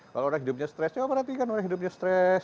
kalau orang hidupnya stres coba perhatikan orang hidupnya stres